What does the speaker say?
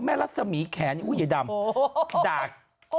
แม่รัศมีแขนี่อุ๊ยไอ้ดำด่าก